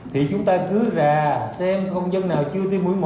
thì chúng ta cứ ra xem không dân nào chưa tiêm mũi một